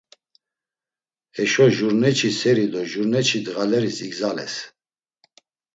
Heşo jurneçi seris do jurneçi ndğaleris igzales.